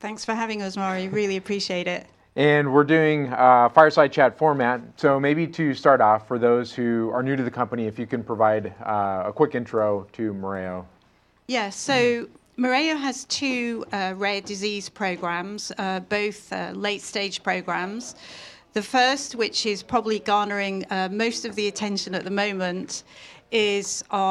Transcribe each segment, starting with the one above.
Thanks for having us, Mari. Really appreciate it. And we're doing a fireside chat format. So maybe to start off, for those who are new to the company, if you can provide a quick intro to Mereo. Yeah, so Mereo has two rare disease programs, both late-stage programs. The first, which is probably garnering most of the attention at the moment, is for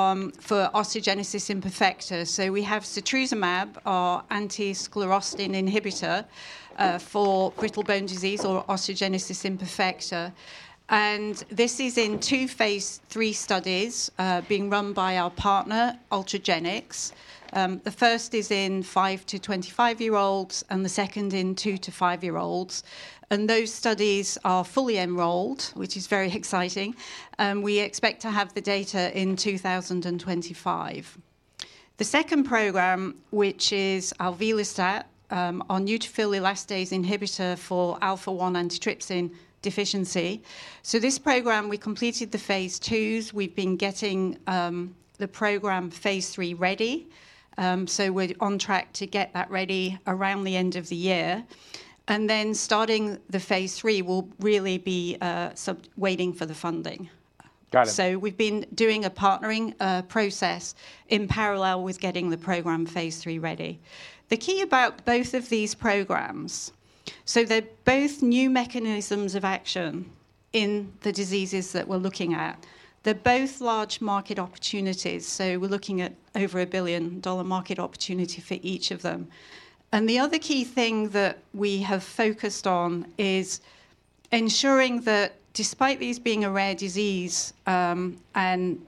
osteogenesis imperfecta. So we have setrusumab, our anti-sclerostin inhibitor for brittle bone disease or osteogenesis imperfecta. And this is in two phase III studies being run by our partner, Ultragenyx. The first is in five to 25-year-olds, and the second in two to five-year-olds. And those studies are fully enrolled, which is very exciting. We expect to have the data in 2025. The second program, which is alvelestat, our neutrophil elastase inhibitor for alpha-1 antitrypsin deficiency. So this program, we completed the phase IIs. We've been getting the program phase III ready. So we're on track to get that ready around the end of the year. And then starting the phase III will really be waiting for the funding. Got it. So we've been doing a partnering process in parallel with getting the program phase III ready. The key about both of these programs, so they're both new mechanisms of action in the diseases that we're looking at. They're both large market opportunities. So we're looking at over a billion-dollar market opportunity for each of them. And the other key thing that we have focused on is ensuring that despite these being a rare disease and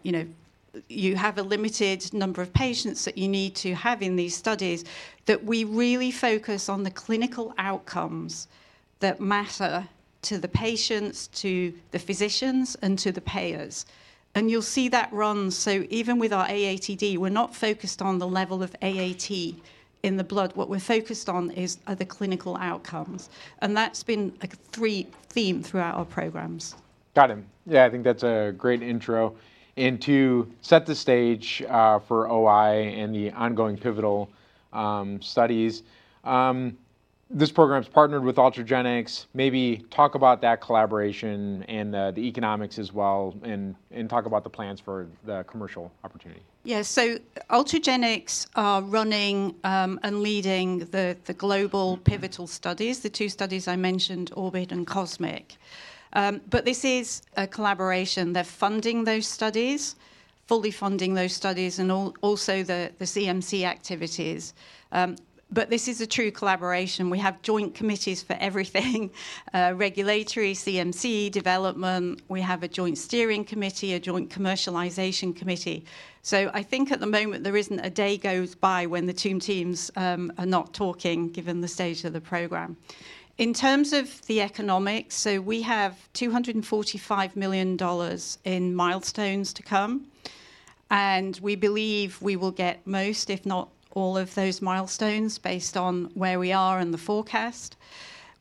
you have a limited number of patients that you need to have in these studies, that we really focus on the clinical outcomes that matter to the patients, to the physicians, and to the payers. And you'll see that runs. So even with our AATD, we're not focused on the level of AAT in the blood. What we're focused on is the clinical outcomes. And that's been a true theme throughout our programs. Got it. Yeah, I think that's a great intro and to set the stage for OI and the ongoing pivotal studies. This program's partnered with Ultragenyx. Maybe talk about that collaboration and the economics as well, and talk about the plans for the commercial opportunity. Yeah, so Ultragenyx are running and leading the global pivotal studies, the two studies I mentioned, Orbit and Cosmic. But this is a collaboration. They're funding those studies, fully funding those studies, and also the CMC activities. But this is a true collaboration. We have joint committees for everything: regulatory, CMC, development. We have a joint steering committee, a joint commercialization committee. So I think at the moment, there isn't a day goes by when the two teams are not talking, given the stage of the program. In terms of the economics, so we have $245 million in milestones to come. And we believe we will get most, if not all of those milestones based on where we are and the forecast.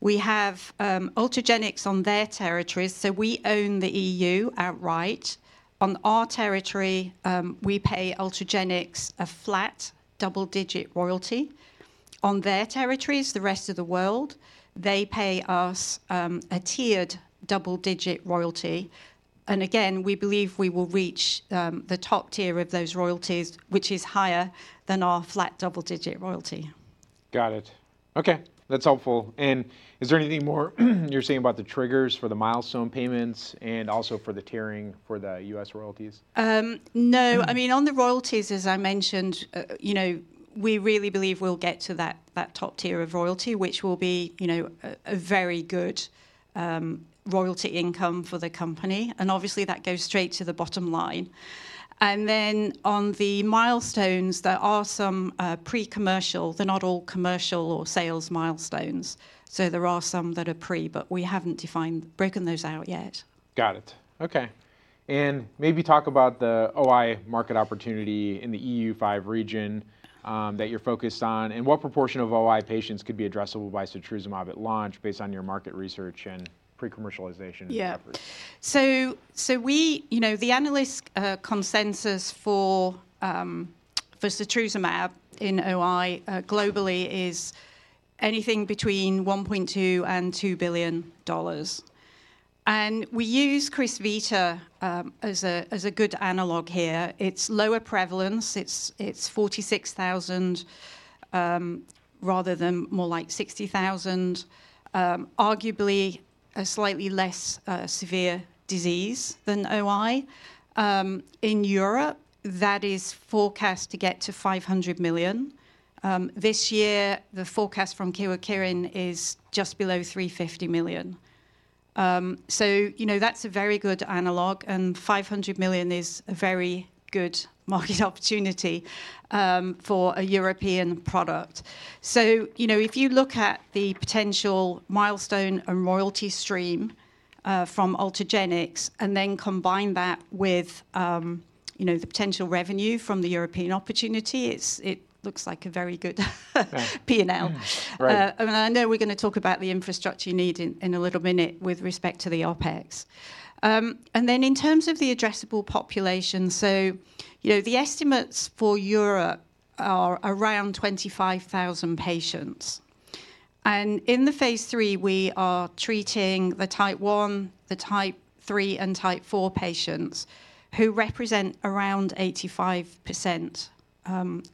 We have Ultragenyx on their territories. So we own the EU outright. On our territory, we pay Ultragenyx a flat double-digit royalty. On their territories, the rest of the world, they pay us a tiered double-digit royalty. And again, we believe we will reach the top tier of those royalties, which is higher than our flat double-digit royalty. Got it. Okay, that's helpful. And is there anything more you're seeing about the triggers for the milestone payments and also for the tiering for the U.S. royalties? No, I mean, on the royalties, as I mentioned, we really believe we'll get to that top tier of royalty, which will be a very good royalty income for the company. And obviously, that goes straight to the bottom line. And then on the milestones, there are some pre-commercial. They're not all commercial or sales milestones. So there are some that are pre, but we haven't defined or broken those out yet. Got it. Okay. And maybe talk about the OI market opportunity in the EU5 region that you're focused on and what proportion of OI patients could be addressable by setrusumab at launch based on your market research and pre-commercialization efforts? Yeah. So the analyst consensus for setrusumab in OI globally is anything between $1.2-$2 billion. And we use Crysvita as a good analog here. It's lower prevalence. It's 46,000 rather than more like 60,000, arguably a slightly less severe disease than OI. In Europe, that is forecast to get to 500 million. This year, the forecast from Kyowa Kirin is just below 350 million. So that's a very good analog. And 500 million is a very good market opportunity for a European product. So if you look at the potential milestone and royalty stream from Ultragenyx and then combine that with the potential revenue from the European opportunity, it looks like a very good P&L. And I know we're going to talk about the infrastructure you need in a little minute with respect to the OpEx. And then in terms of the addressable population, so the estimates for Europe are around 25,000 patients. And in the phase III, we are treating the type one, the type three, and type four patients who represent around 85%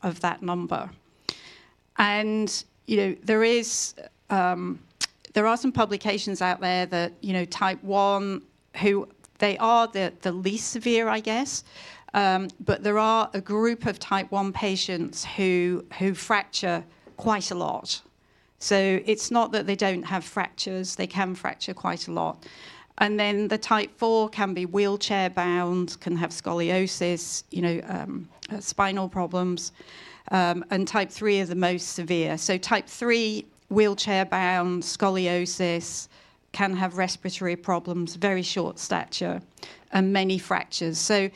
of that number. And there are some publications out there that type one, they are the least severe, I guess. But there are a group of type one patients who fracture quite a lot. So it's not that they don't have fractures. They can fracture quite a lot. And then the type four can be wheelchair bound, can have scoliosis, spinal problems. And type three is the most severe. So type three, wheelchair bound, scoliosis, can have respiratory problems, very short stature, and many fractures. So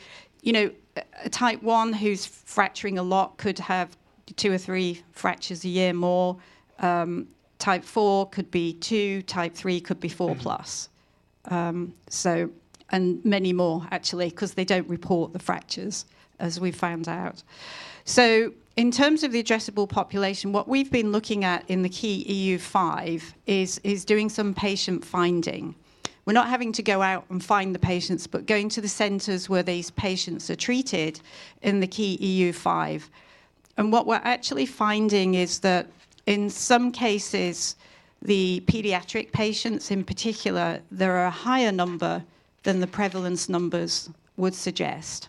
type one who's fracturing a lot could have two or three fractures a year more. Type four could be two. Type III could be Type IV plus. And many more, actually, because they don't report the fractures, as we found out. In terms of the addressable population, what we've been looking at in the key EU5 is doing some patient finding. We're not having to go out and find the patients, but going to the centers where these patients are treated in the key EU5. And what we're actually finding is that in some cases, the pediatric patients in particular, there are a higher number than the prevalence numbers would suggest.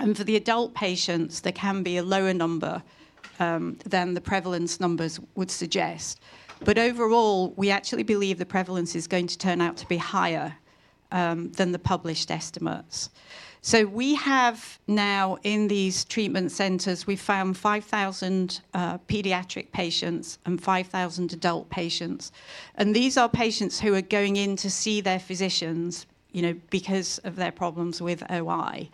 And for the adult patients, there can be a lower number than the prevalence numbers would suggest. But overall, we actually believe the prevalence is going to turn out to be higher than the published estimates. In these treatment centers, we found 5,000 pediatric patients and 5,000 adult patients. These are patients who are going in to see their physicians because of their problems with OI.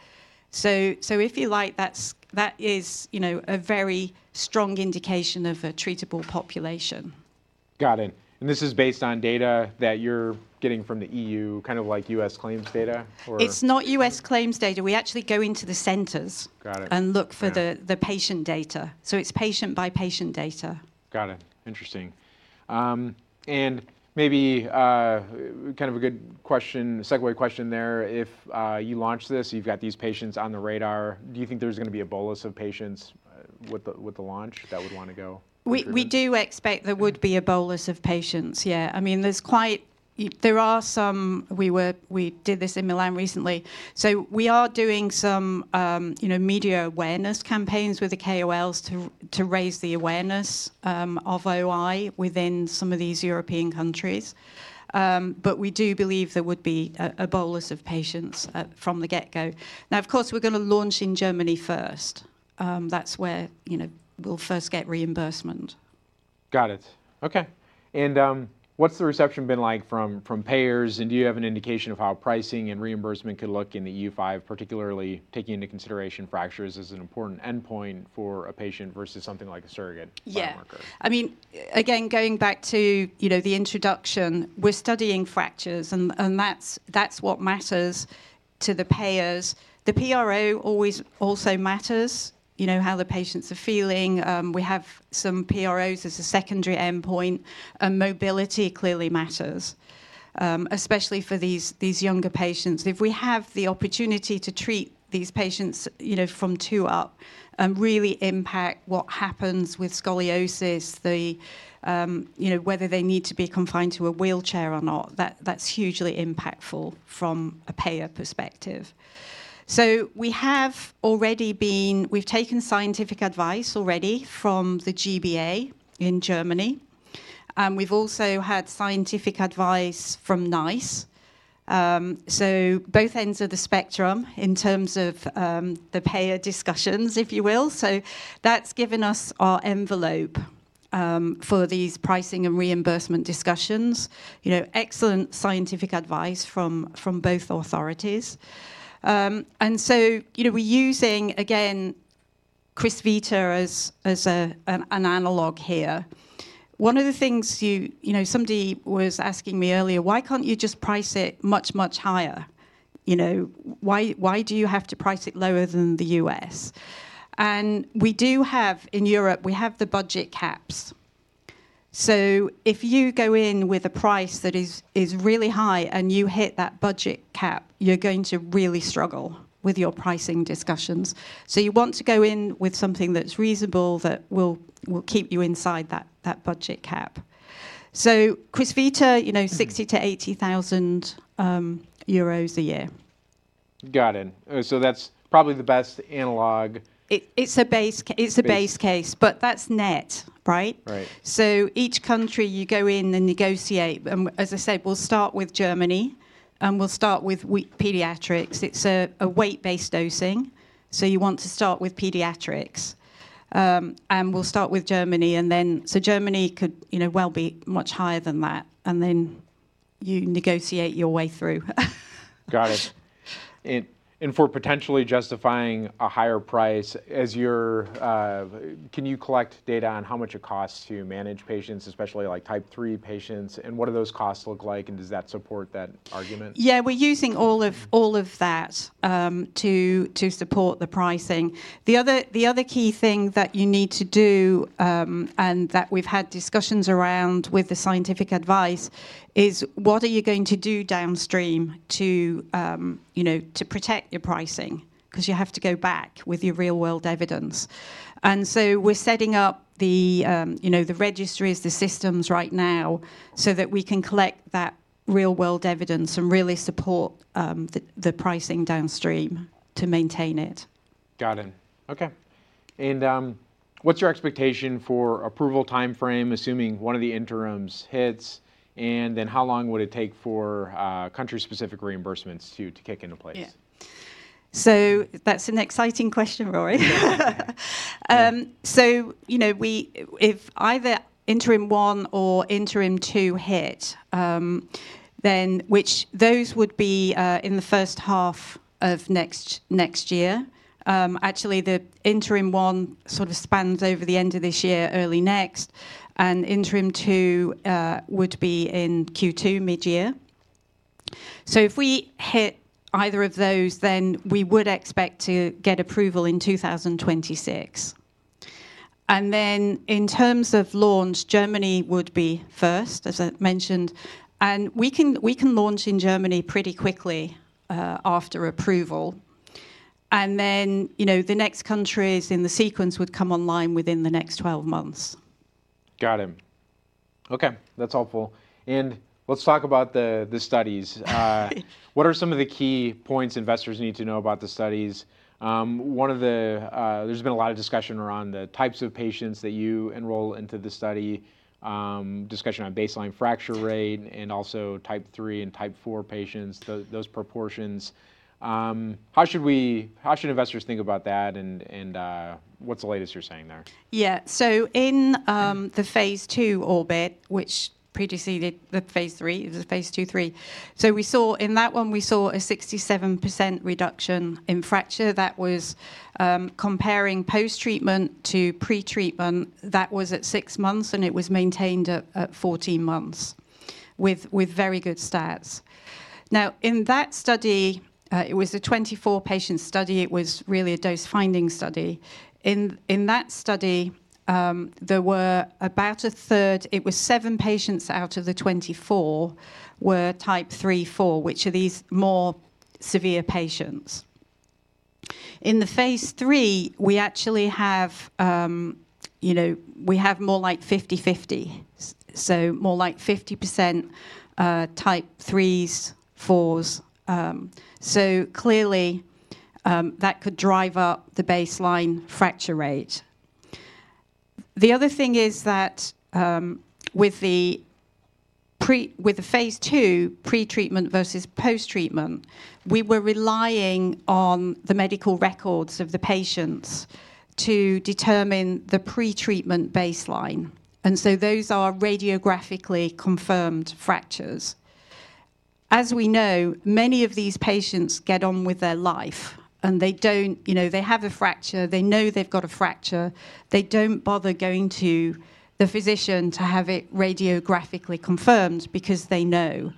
If you like, that is a very strong indication of a treatable population. Got it. And this is based on data that you're getting from the EU, kind of like US claims data? It's not U.S. claims data. We actually go into the centers and look for the patient data. So it's patient-by-patient data. Got it. Interesting. And maybe kind of a good question, segue question there. If you launch this, you've got these patients on the radar, do you think there's going to be a bolus of patients with the launch that would want to go? We do expect there would be a bolus of patients, yeah. I mean, there are some. We did this in Milan recently, so we are doing some media awareness campaigns with the KOLs to raise the awareness of OI within some of these European countries, but we do believe there would be a bolus of patients from the get-go. Now, of course, we're going to launch in Germany first. That's where we'll first get reimbursement. Got it. Okay. And what's the reception been like from payers? And do you have an indication of how pricing and reimbursement could look in the EU5, particularly taking into consideration fractures as an important endpoint for a patient versus something like a surrogate? Yeah. I mean, again, going back to the introduction, we're studying fractures, and that's what matters to the payers. The PRO always also matters, how the patients are feeling. We have some PROs as a secondary endpoint, and mobility clearly matters, especially for these younger patients. If we have the opportunity to treat these patients from two up and really impact what happens with scoliosis, whether they need to be confined to a wheelchair or not, that's hugely impactful from a payer perspective. So we have taken scientific advice already from the G-BA in Germany, and we've also had scientific advice from NICE. So both ends of the spectrum in terms of the payer discussions, if you will. That's given us our envelope for these pricing and reimbursement discussions. Excellent scientific advice from both authorities, and so we're using, again, Crysvita as an analog here. One of the things somebody was asking me earlier, why can't you just price it much, much higher? Why do you have to price it lower than the U.S.? We do have in Europe budget caps. If you go in with a price that is really high and you hit that budget cap, you're going to really struggle with your pricing discussions. You want to go in with something that's reasonable that will keep you inside that budget cap. Crysvita, 60,000-80,000 euros a year. Got it. So that's probably the best analog. It's a base case, but that's net, right? Right. So each country you go in and negotiate. And as I said, we'll start with Germany. And we'll start with pediatrics. It's a weight-based dosing. So you want to start with pediatrics. And we'll start with Germany. And then so Germany could well be much higher than that. And then you negotiate your way through. Got it. And for potentially justifying a higher price, can you collect data on how much it costs to manage patients, especially like Type III patients? And what do those costs look like? And does that support that argument? Yeah, we're using all of that to support the pricing. The other key thing that you need to do and that we've had discussions around with the scientific advice is what are you going to do downstream to protect your pricing because you have to go back with your real-world evidence. And so we're setting up the registries, the systems right now so that we can collect that real-world evidence and really support the pricing downstream to maintain it. Got it. Okay. And what's your expectation for approval timeframe, assuming one of the interims hits? And then how long would it take for country-specific reimbursements to kick into place? Yeah. So that's an exciting question, Rory. So if either interim one or interim two hit, then those would be in the first half of next year. Actually, the interim one sort of spans over the end of this year, early next. And interim two would be in Q2 mid-year. So if we hit either of those, then we would expect to get approval in 2026. And then in terms of launch, Germany would be first, as I mentioned. And we can launch in Germany pretty quickly after approval. And then the next countries in the sequence would come online within the next 12 months. Got it. Okay, that's helpful, and let's talk about the studies. What are some of the key points investors need to know about the studies? There's been a lot of discussion around the types of patients that you enroll into the study, discussion on baseline fracture rate, and also Type III and Type IV patients, those proportions. How should investors think about that, and what's the latest you're saying there? Yeah. So in the phase II Orbit, which previously did the phase III, it was a phase II, phase III. So in that one, we saw a 67% reduction in fracture. That was comparing post-treatment to pre-treatment. That was at six months, and it was maintained at 14 months with very good stats. Now, in that study, it was a 24-patient study. It was really a dose-finding study. In that study, there were about 1/3, it was seven patients out of the 24 were Type III, IV, which are these more severe patients. In the phase III, we actually have more like 50-50, so more like 50% Type IIIs, IVs. So clearly, that could drive up the baseline fracture rate. The other thing is that with the phase II, pre-treatment versus post-treatment, we were relying on the medical records of the patients to determine the pre-treatment baseline. Those are radiographically confirmed fractures. As we know, many of these patients get on with their life. They have a fracture. They know they've got a fracture. They don't bother going to the physician to have it radiographically confirmed because they know.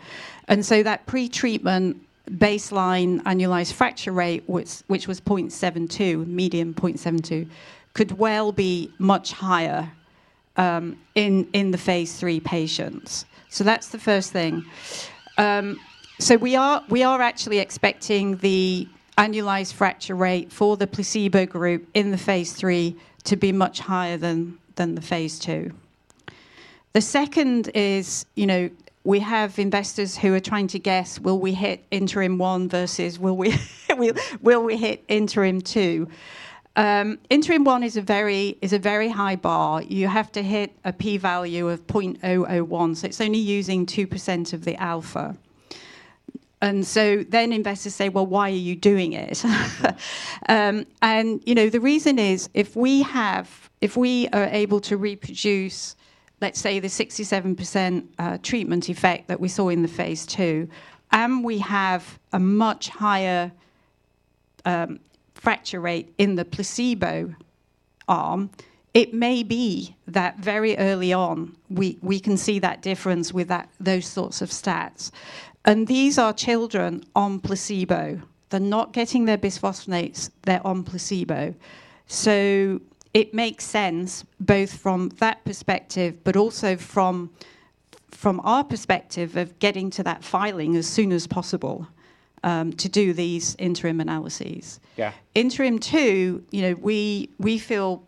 That pre-treatment baseline annualized fracture rate, which was 0.72, median 0.72, could well be much higher in the phase III patients. That is the first thing. We are actually expecting the annualized fracture rate for the placebo group in the phase III to be much higher than the phase II. The second is we have investors who are trying to guess, will we hit interim one versus will we hit interim two? Interim one is a very high bar. You have to hit a p-value of 0.001. It is only using 2% of the alpha. So then investors say, well, why are you doing it? And the reason is if we are able to reproduce, let's say, the 67% treatment effect that we saw in the phase II, and we have a much higher fracture rate in the placebo arm, it may be that very early on, we can see that difference with those sorts of stats. And these are children on placebo. They're not getting their bisphosphonates. They're on placebo. So it makes sense both from that perspective, but also from our perspective of getting to that filing as soon as possible to do these interim analyses. Interim two, we feel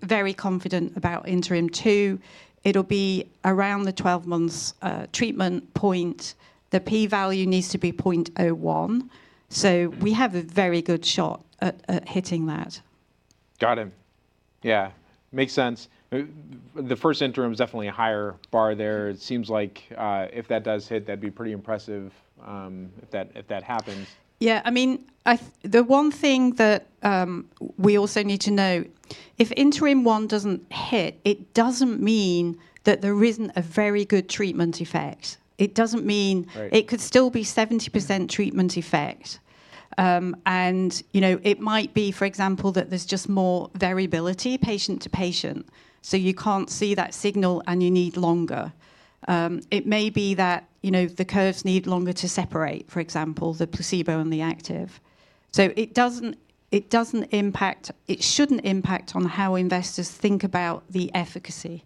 very confident about interim two. It'll be around the 12-month treatment point. The p-value needs to be 0.01. So we have a very good shot at hitting that. Got it. Yeah. Makes sense. The first interim is definitely a higher bar there. It seems like if that does hit, that'd be pretty impressive if that happens. Yeah. I mean, the one thing that we also need to know, if interim one doesn't hit, it doesn't mean that there isn't a very good treatment effect. It doesn't mean it could still be 70% treatment effect. And it might be, for example, that there's just more variability patient to patient. So you can't see that signal and you need longer. It may be that the curves need longer to separate, for example, the placebo and the active. So it doesn't impact. It shouldn't impact on how investors think about the efficacy.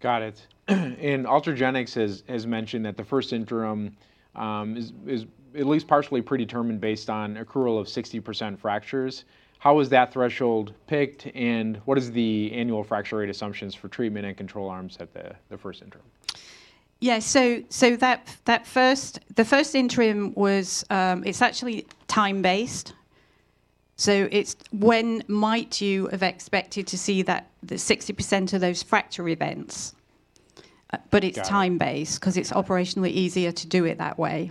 Got it. And Ultragenyx has mentioned that the first interim is at least partially predetermined based on accrual of 60% fractures. How was that threshold picked? And what is the annual fracture rate assumptions for treatment and control arms at the first interim? Yeah, so the first interim was, it's actually time-based, so when might you have expected to see that 60% of those fracture events? But it's time-based because it's operationally easier to do it that way,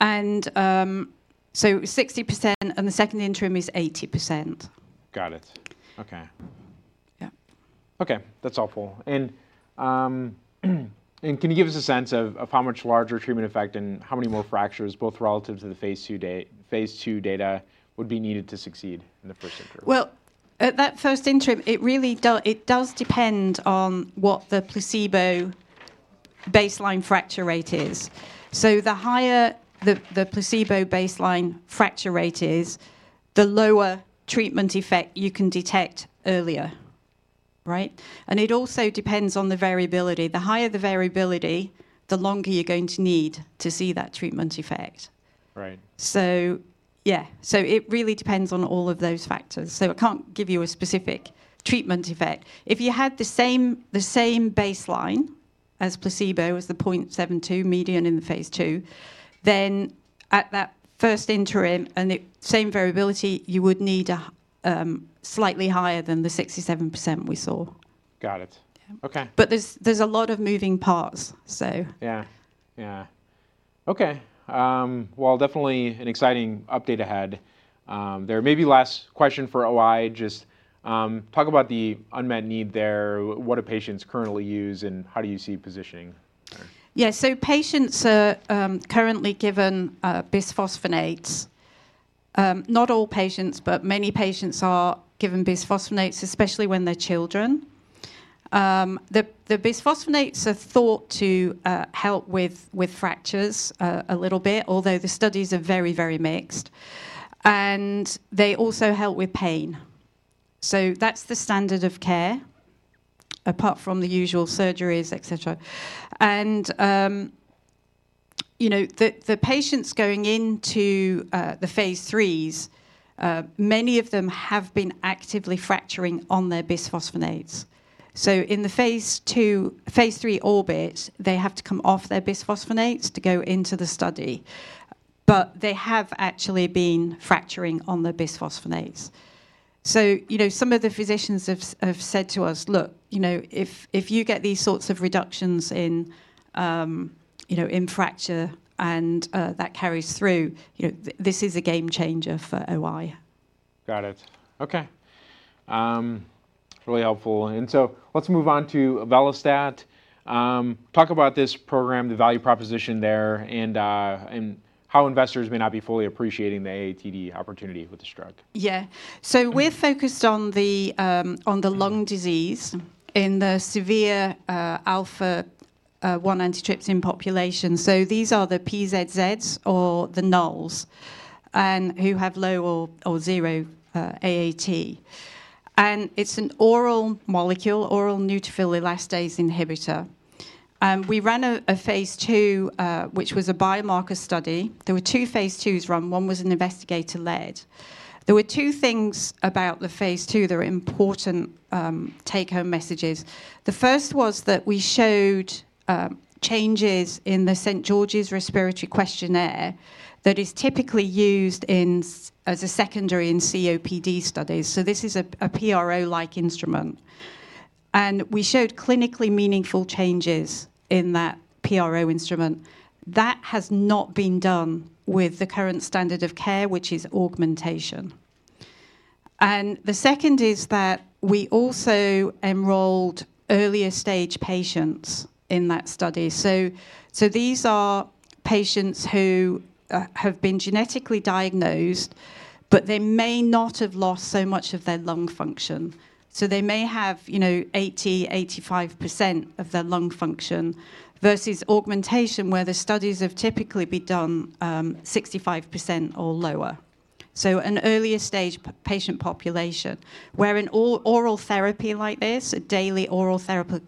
and so 60% and the second interim is 80%. Got it. Okay. Yeah. Okay. That's helpful. And can you give us a sense of how much larger treatment effect and how many more fractures, both relative to the phase II data, would be needed to succeed in the first interim? At that first interim, it really does depend on what the placebo baseline fracture rate is. So the higher the placebo baseline fracture rate is, the lower treatment effect you can detect earlier, right? And it also depends on the variability. The higher the variability, the longer you're going to need to see that treatment effect. So yeah. So it really depends on all of those factors. So I can't give you a specific treatment effect. If you had the same baseline as placebo as the 0.72 median in the phase II, then at that first interim and the same variability, you would need slightly higher than the 67% we saw. Got it. Okay. But there's a lot of moving parts, so. Okay. Well, definitely an exciting update ahead. This may be the last question for OI. Just talk about the unmet need there. What do patients currently use, and how do you see positioning? Yeah. So patients are currently given bisphosphonates. Not all patients, but many patients are given bisphosphonates, especially when they're children. The bisphosphonates are thought to help with fractures a little bit, although the studies are very, very mixed. And they also help with pain. So that's the standard of care apart from the usual surgeries, etc. And the patients going into the phase IIIs, many of them have been actively fracturing on their bisphosphonates. So in the phase III ORBIT, they have to come off their bisphosphonates to go into the study. But they have actually been fracturing on their bisphosphonates. So some of the physicians have said to us, "Look, if you get these sorts of reductions in fracture and that carries through, this is a game changer for OI. Got it. Okay. Really helpful. And so let's move on to alvelestat. Talk about this program, the value proposition there, and how investors may not be fully appreciating the AATD opportunity with this drug. Yeah, so we're focused on the lung disease in the severe alpha-1 antitrypsin population, so these are the PiZZs or the Nulls who have low or zero AAT, and it's an oral molecule, oral neutrophil elastase inhibitor. We ran a phase II, which was a biomarker study. There were two phase IIs run. One was an investigator-led. There were two things about the phase II that are important take-home messages. The first was that we showed changes in the St. George's Respiratory Questionnaire that is typically used as a secondary in COPD studies, so this is a PRO-like instrument, and we showed clinically meaningful changes in that PRO instrument. That has not been done with the current standard of care, which is augmentation, and the second is that we also enrolled earlier stage patients in that study. So these are patients who have been genetically diagnosed, but they may not have lost so much of their lung function. So they may have 80%-85% of their lung function versus augmentation where the studies have typically been done 65% or lower. So an earlier stage patient population where in oral therapy like this, a daily oral therapy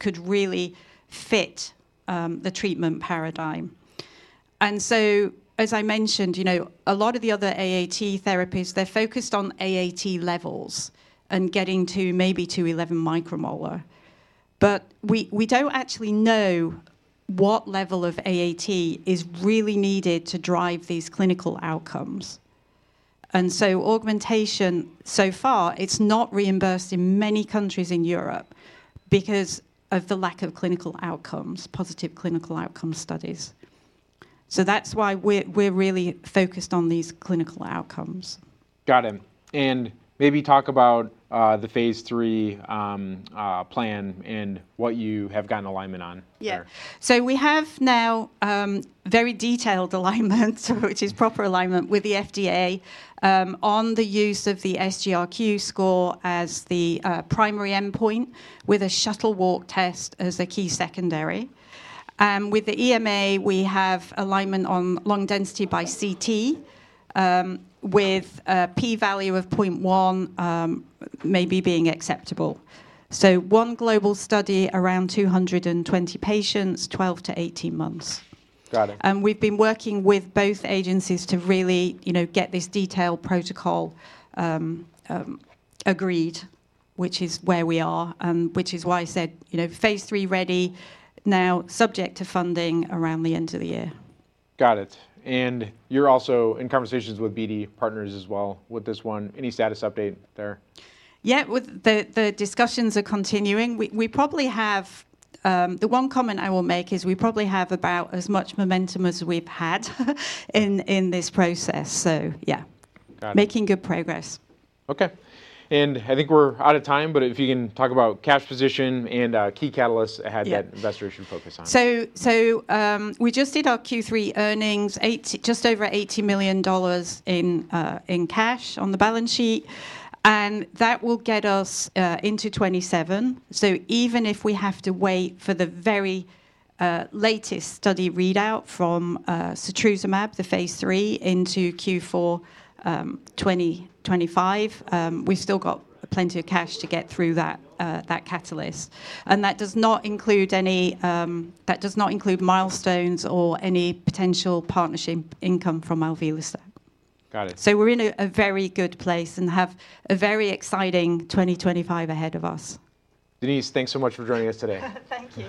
could really fit the treatment paradigm. And so, as I mentioned, a lot of the other AAT therapies, they're focused on AAT levels and getting to maybe to 11 micromolar. But we don't actually know what level of AAT is really needed to drive these clinical outcomes. And so augmentation so far, it's not reimbursed in many countries in Europe because of the lack of clinical outcomes, positive clinical outcome studies. So that's why we're really focused on these clinical outcomes. Got it. And maybe talk about the phase III plan and what you have gotten alignment on here. Yeah. So we have now very detailed alignment, which is proper alignment with the FDA on the use of the SGRQ score as the primary endpoint with a shuttle walk test as a key secondary. With the EMA, we have alignment on lung density by CT with a p-value of 0.1 maybe being acceptable. So one global study around 220 patients, 12 to 18 months. And we've been working with both agencies to really get this detailed protocol agreed, which is where we are, and which is why I said phase III ready, now subject to funding around the end of the year. Got it. And you're also in conversations with BD partners as well with this one. Any status update there? Yeah. The discussions are continuing. The one comment I will make is we probably have about as much momentum as we've had in this process. So yeah, making good progress. Okay, and I think we're out of time, but if you can talk about cash position and key catalysts ahead that investors should focus on? We just did our Q3 earnings, just over $80 million in cash on the balance sheet. That will get us into 2027. Even if we have to wait for the very latest study readout from setrusumab, the phase III into Q4 2025, we've still got plenty of cash to get through that catalyst. That does not include any milestones or any potential partnership income from Alvelestat. We're in a very good place and have a very exciting 2025 ahead of us. Denise, thanks so much for joining us today. Thank you.